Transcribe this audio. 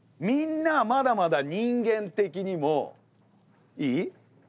みんなまだまだ人間的にもいい？